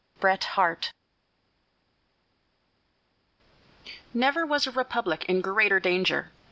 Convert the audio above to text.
BRET HARTE. Never was the Republic in greater danger.